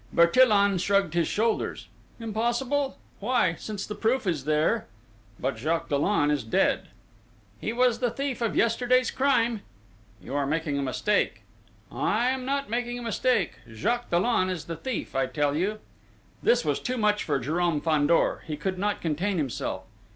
Bertillon shrugged his shoulders. "Impossible?... Why, since the proof of it is there?" "But Jacques Dollon is dead!" "He was the thief of yesterday's crime." "You are making a mistake!..." "I am not making a mistake!... Jacques Dollon is the thief I tell you!" This was too much for Jérôme Fandor: he could not contain himself.